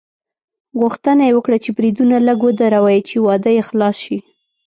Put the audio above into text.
غوښتنه یې وکړه چې بریدونه لږ ودروي چې واده یې خلاص شي.